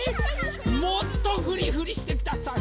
もっとふりふりしてください。